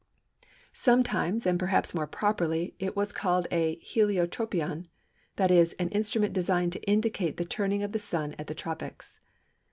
Sometimes, and perhaps more properly, it was called a Heliotropion, that is, an instrument designed to indicate the turning of the Sun at the Tropics.